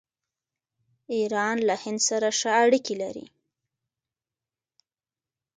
ایران له هند سره ښه اړیکې لري.